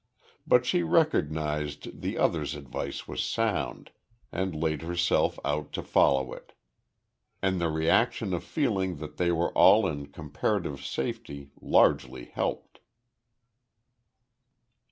But she recognised the other's advice was sound, and laid herself out to follow it. And the reaction of feeling that they were all in comparative safety largely helped.